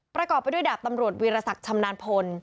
ประกอบไปด้วยดาบตำรวจวีรศักดิ์ชำนาญพล